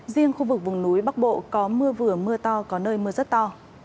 riêng khu vực vùng núi bắc bộ có mưa vừa mưa to có nơi mưa rất to